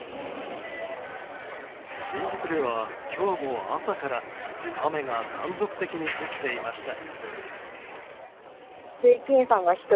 新宿では今日も朝から雨が断続的に降っていました。